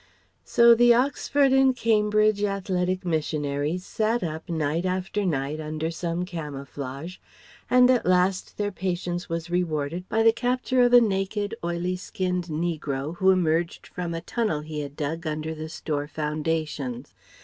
So the Oxford and Cambridge athletic missionaries sat up night after night under some camouflage and at last their patience was rewarded by the capture of a naked, oily skinned negro who emerged from a tunnel he had dug under the store foundations.